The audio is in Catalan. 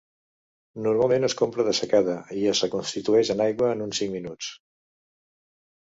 Normalment es compra dessecada i es reconstitueix en aigua en uns cinc minuts.